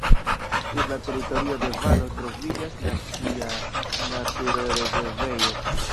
Sur la teritorio de valo troviĝas nacia naturrezervejo.